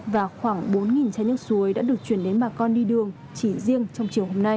và khoảng bốn chai nước suối đã được chuyển đến bà con đi đường chỉ riêng trong chiều hôm nay